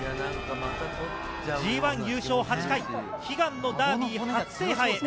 ＧＩ優勝８回、悲願のダービー初制覇へ。